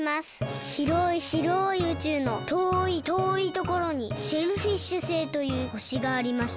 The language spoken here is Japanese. ひろいひろい宇宙のとおいとおいところにシェルフィッシュ星というほしがありました。